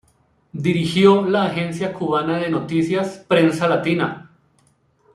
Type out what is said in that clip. Dirigió la agencia cubana de notícias "Prensa Latina".